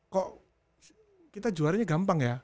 kok kita juaranya gampang ya